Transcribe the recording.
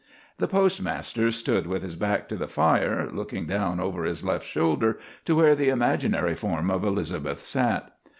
The postmaster stood with his back to the fire, looking down over his left shoulder to where the imaginary form of Elizabeth sat.